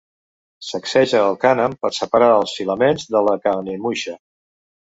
Sacseja el cànem per separar els filaments de la canemuixa.